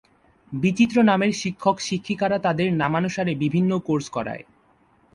বিচিত্র নামের শিক্ষক-শিক্ষিকারা তাদের নামানুসারে বিভিন্ন কোর্স করায়।